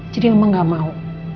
jadi mama gak mau